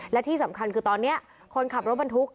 และที่สำคัญคือตอนนี้คนขับรถบรรทุก